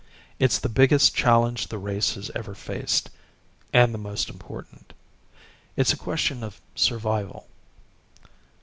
It's the biggest challenge the race has ever faced and the most important. It's a question of survival."